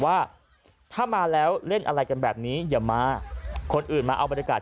ว่าถ้ามาแล้วเล่นอะไรกันแบบนี้อย่ามาคนอื่นมาเอาบรรยากาศ